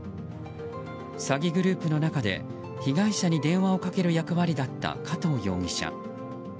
詐欺グループの中で被害者に電話をかける役割だった加藤容疑者。